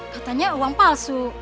katanya uang palsu